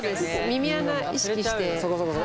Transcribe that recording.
耳穴意識して。